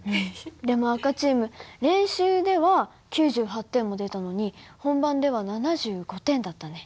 でも赤チーム練習では９８点も出たのに本番では７５点だったね。